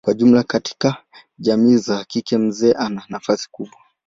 Kwa jumla katika jamii zao kike mzee ana nafasi kubwa.